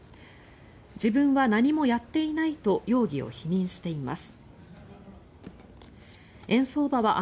自分は何もやっていないと容疑を否認しています。